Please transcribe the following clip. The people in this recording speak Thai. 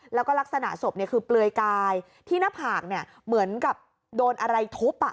แล้วก็ลักษณะศพคือเปลือยกายที่หน้าผากเหมือนกับโดนอะไรทุบ